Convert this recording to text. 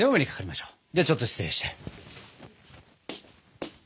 ではちょっと失礼して。